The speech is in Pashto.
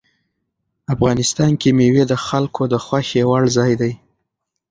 افغانستان کې مېوې د خلکو د خوښې وړ ځای دی.